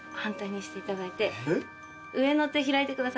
上の手開いてください。